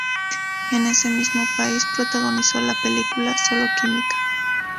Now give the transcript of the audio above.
En ese mismo país, protagonizó la película "Solo química".